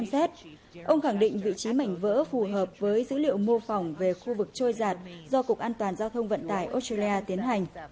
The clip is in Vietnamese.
ông z ông khẳng định vị trí mảnh vỡ phù hợp với dữ liệu mô phỏng về khu vực trôi giạt do cục an toàn giao thông vận tải australia tiến hành